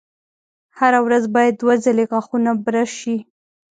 هره ورځ باید دوه ځلې غاښونه برش شي.